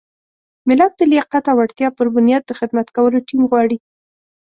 ملت د لیاقت او وړتیا پر بنیاد د خدمت کولو ټیم غواړي.